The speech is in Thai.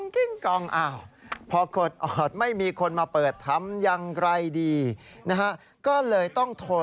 กิ้งกองกิ้งกอง